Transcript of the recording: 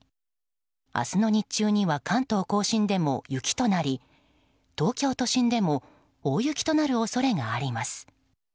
明日の日中には関東・甲信地方でも雪となり東京都心でも大雪となる恐れがあります。